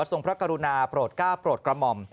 ทรงพระกรุณาโปรดก้าโปรดกรมม